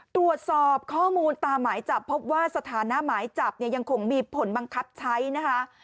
ตรวจสอบข้อมูลตามหมายจับพบว่าสถานะหมายจับเนี่ยยังคงมีผลบังคับใช้นะคะ